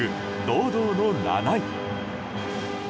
堂々の７位。